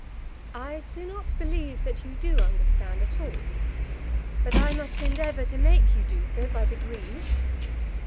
"I do not believe that you do understand at all, but I must endeavour to make you do so by degrees.